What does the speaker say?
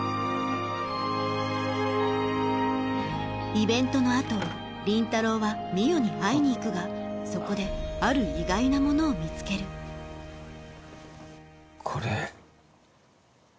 イベントの後倫太郎は海音に会いに行くがそこである意外なものを見つけるこれ。